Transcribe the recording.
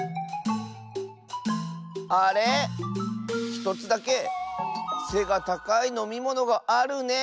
１つだけせがたかいのみものがあるね。